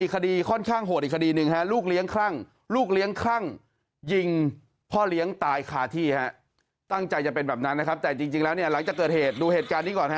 คดีค่อนข้างโหดอีกคดีหนึ่งฮะลูกเลี้ยงคลั่งลูกเลี้ยงคลั่งยิงพ่อเลี้ยงตายคาที่ฮะตั้งใจจะเป็นแบบนั้นนะครับแต่จริงแล้วเนี่ยหลังจากเกิดเหตุดูเหตุการณ์นี้ก่อนฮ